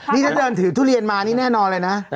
นี่ถ้าเดินถือทุเรียนมานี่แน่นอนเลยนะ